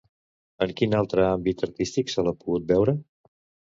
En quin altre àmbit artístic se l'ha pogut veure?